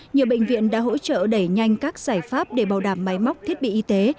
nhiều bệnh viện đã hỗ trợ đẩy nhanh các giải pháp để bảo đảm máy móc thiết bị y tế